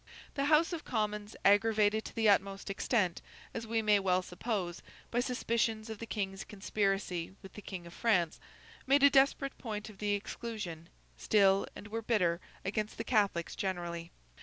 The House of Commons, aggravated to the utmost extent, as we may well suppose, by suspicions of the King's conspiracy with the King of France, made a desperate point of the exclusion, still, and were bitter against the Catholics generally.